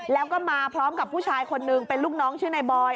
แล้วก็มาพร้อมกับผู้ชายคนนึงเป็นลูกน้องชื่อนายบอย